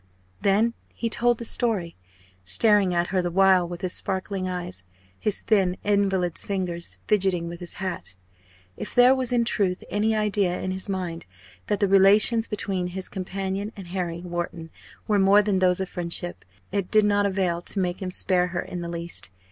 Then he told the story, staring at her the while with his sparkling eyes, his thin invalid's fingers fidgeting with his hat. If there was in truth any idea in his mind that the relations between his companion and Harry Wharton were more than those of friendship, it did not avail to make him spare her in the least.